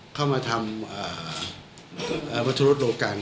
เข้ามาทำวัตถุรสโลกัน